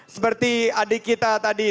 seperti adik kita tadi